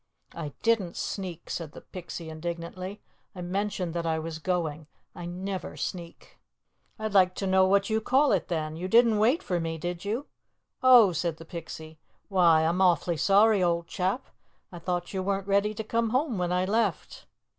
"I didn't sneak," said the Pixie indignantly. "I mentioned that I was going. I never sneak." "I'd like to know what you call it then. You didn't wait for me, did you?" "Oh!" said the Pixie. "Why, I'm awfully sorry, old chap. I thought you weren't ready to come home when I left."